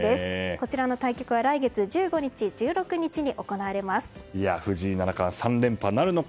こちらの対局は来月１５日、１６日に藤井七冠、３連覇なるのか。